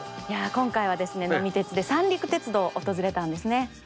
いや今回はですね「呑み鉄」で三陸鉄道を訪れたんですね？